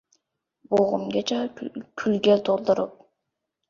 Bo‘g‘zimgacha kulga to‘ldirib.